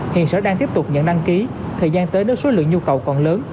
hiện sở đang tiếp tục nhận đăng ký thời gian tới nếu số lượng nhu cầu còn lớn